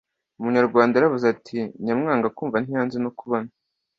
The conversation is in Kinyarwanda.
umunyarwanda yaravuze ati: “nyamwanga kumva ntiyanze no kubona.”